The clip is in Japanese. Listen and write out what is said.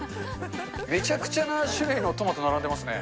めちゃくちゃな種類のトマト並んでますね。